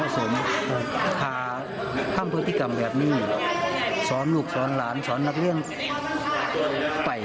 สอนลูกสอนหลานสอนนักเรียนไป